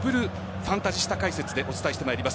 ファンタジスタ解説でお伝えしてまいります。